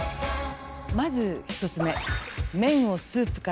まず１つ目。